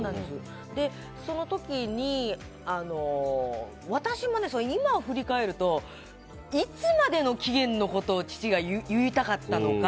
その時に、私も今振り返るといつまでの期間を父が言いたかったのか。